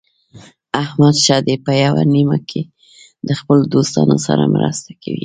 احمد ښه دی په یوه نیمه کې د خپلو دوستانو سره مرسته کوي.